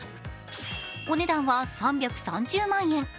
お値段は３３０万円。